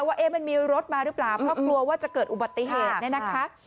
ว่ามันมีรถมาหรือเปล่าเพราะกลัวว่าจะเกิดอุบัติเหตุเนี่ยนะคะ